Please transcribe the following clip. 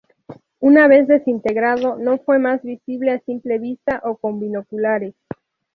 Una vez desintegrado, no fue más visible a simple vista o con binoculares.